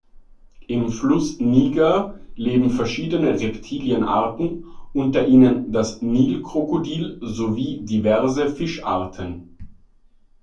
Im Fluss Niger leben verschiedene Reptilienarten, unter ihnen das Nilkrokodil, sowie diverse Fischarten.